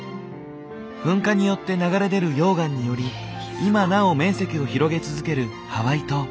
噴火によって流れ出る溶岩により今なお面積を広げ続けるハワイ島。